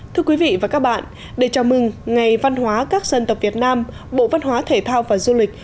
thưa quý vị và các bạn để chào mừng ngày văn hóa các dân tộc việt nam bộ văn hóa thể thao và du lịch